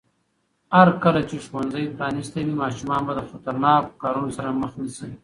هرکله چې ښوونځي پرانیستي وي، ماشومان به له خطرناکو کارونو سره مخ نه شي.